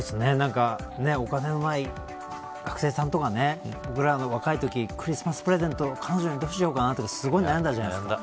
お金のない学生さんとか僕らの若いときクリスマスプレゼントを彼女にどうしようかとかすごい悩んだじゃないですか。